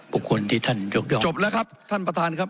บุคคลที่ท่านยกย่องจบแล้วครับท่านประธานครับ